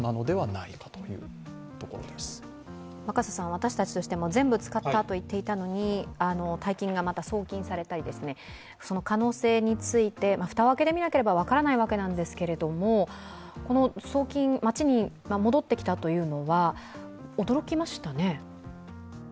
私たちとしても全部使ったと言っていたのに大金がまた送金されたり、その可能性について、蓋を開けてみなければ分からないわけですがこの送金、町に戻ってきたというのは驚きましたね。